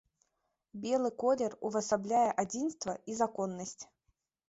Белы колер увасабляе адзінства і законнасць.